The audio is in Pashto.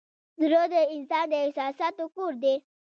زړه د انسان د احساساتو کور دی.